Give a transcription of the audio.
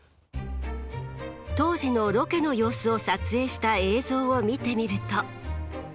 当時のロケの様子を撮影した映像を見てみると。